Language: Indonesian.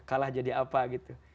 kalah jadi apa gitu